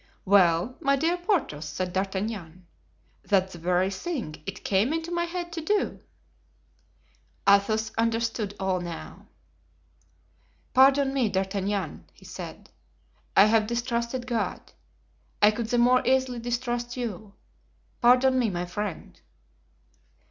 "Well, my dear Porthos," said D'Artagnan, "that's the very thing it came into my head to do." Athos understood all now. "Pardon me, D'Artagnan," he said. "I have distrusted God; I could the more easily distrust you. Pardon me, my friend."